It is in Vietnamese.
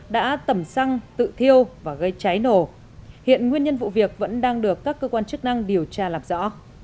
đã tẩm xăng tự thiêu và gây cháy nổ hiện nguyên nhân vụ việc vẫn đang được các cơ quan chức năng điều tra làm rõ